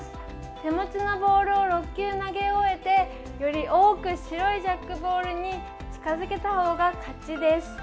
手持ちのボールを６球投げ終えてより多く白いジャックボールに近づけたほうが勝ちです。